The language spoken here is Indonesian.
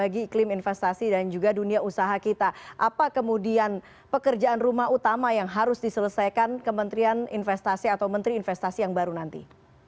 bagi iklim investasi dan juga dunia usaha kita apa kemudian pekerjaan rumah utama yang harus diselesaikan kementerian investasi atau menteri investasi yang baru nanti